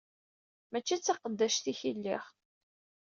Mačči d taqeddact-ik i lliɣ.